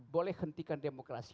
boleh hentikan demokrasi